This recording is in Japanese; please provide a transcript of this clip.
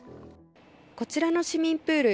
こちらの市民プール